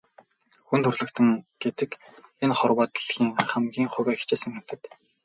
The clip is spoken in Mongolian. Хүн төрөлхтөн гэдэг энэ хорвоо дэлхийн хамгийн хувиа хичээсэн амьтад.